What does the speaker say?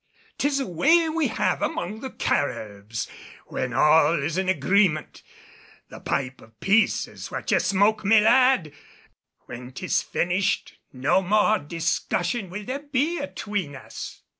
'Tis a way we have among the Caribs, when all is in agreement. The pipe of peace is what ye smoke, me lad. When 'tis finished, no more discussion will there be atween us."